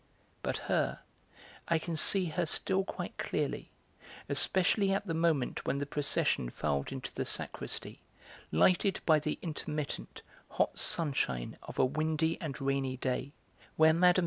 But her, I can see her still quite clearly, especially at the moment when the procession filed into the sacristy, lighted by the intermittent, hot sunshine of a windy and rainy day, where Mme.